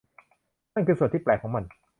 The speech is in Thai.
นั่นคือส่วนที่แปลกของมัน